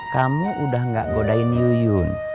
kamu udah gak godain yuyun